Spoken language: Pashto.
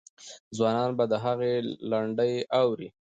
ځوانان به د هغې لنډۍ اوري.